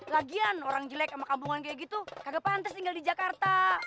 lagian orang jelek sama kampungan kayak gitu kagak pantas tinggal di jakarta